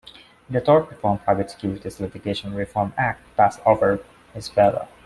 The tort reform Private Securities Litigation Reform Act passed over his veto.